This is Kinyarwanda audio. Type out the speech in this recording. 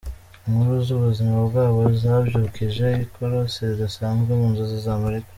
Inkuru z’ubuzima bwabo zabyukije ikorosi ridasanzwe mu nzozi za Amerika.